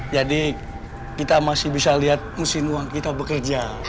jadi kita masih bisa lihat mesin uang kita bekerja